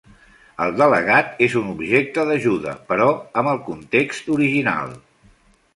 El delegat és un objecte d'ajuda, però "amb el context original".